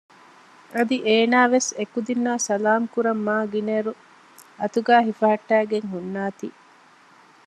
އަދި އޭނާވެސް އެކުދިންނާ ސަލާމް ކުރަން މާ ގިނައިރު އަތުގައި ހިފަހައްޓައިގެން ހުންނާތީ